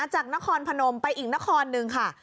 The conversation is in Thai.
จากนครพนมไปอีกนครหนึ่งค่ะ